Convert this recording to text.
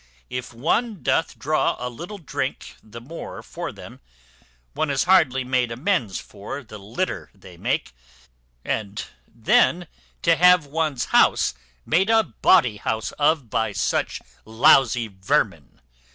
If one doth draw a little drink the more for them, one is hardly made amends for the litter they make; and then to have one's house made a bawdy house of by such lousy vermin.